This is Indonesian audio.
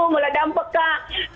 mulai dampe kak